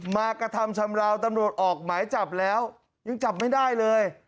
มากระทำชำราวตำรวจออกหมายจับแล้วยังจับไม่ได้เลย